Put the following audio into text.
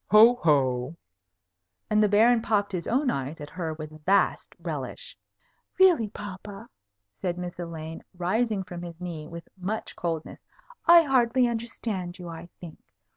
Ho! ho!" and the Baron popped his own eyes at her with vast relish. "Really, papa," said Miss Elaine, rising from his knee, with much coldness, "I hardly understand you, I think.